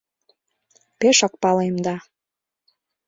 — Пешак палем да...